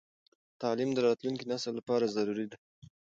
تعليم د راتلونکي نسل لپاره ضروري دی.